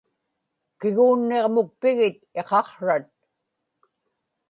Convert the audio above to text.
kiguunniġmukpigit iqaqsrat